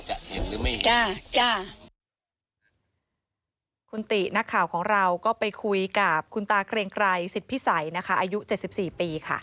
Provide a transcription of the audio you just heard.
จ้าจ้าคุณตินักข่าวของเราก็ไปคุยกับคุณตาเกรงไกรสิทธิ์พิสัยนะคะอายุ๗๔ปีค่ะ